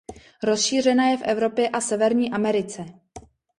Rozšířena je v Evropě a Severní Americe.